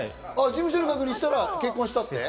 事務所に確認したら結婚したって？